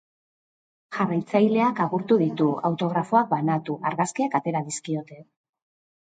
Jarraitzaileak agurtu ditu, autografoak banatu, argazkiak atera dizkiote.